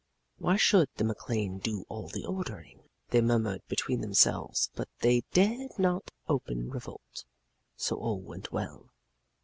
Why should the MacLane do all the ordering? they murmured between themselves, but they dared not openly revolt, so all went well.